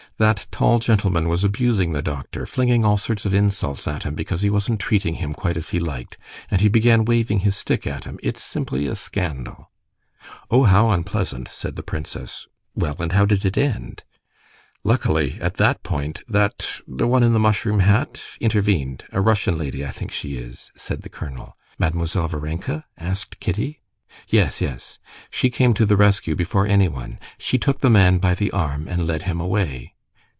That tall gentleman was abusing the doctor, flinging all sorts of insults at him because he wasn't treating him quite as he liked, and he began waving his stick at him. It's simply a scandal!" "Oh, how unpleasant!" said the princess. "Well, and how did it end?" "Luckily at that point that ... the one in the mushroom hat ... intervened. A Russian lady, I think she is," said the colonel. "Mademoiselle Varenka?" asked Kitty. "Yes, yes. She came to the rescue before anyone; she took the man by the arm and led him away."